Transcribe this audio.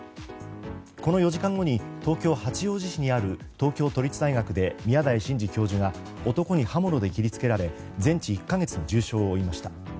この４時間後に東京・八王子市にある東京都立大学で宮台真司教授が男に刃物で切り付けられ全治１か月の重傷を負いました。